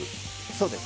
そうです。